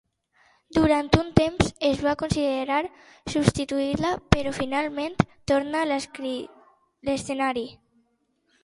Durant un temps es va considerar substituir-la, però finalment torna a l'escenari.